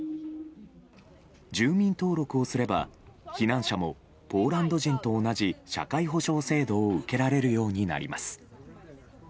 住民登録をすれば避難者もポーランド人と同じ社会保障制度を受けられるようになります。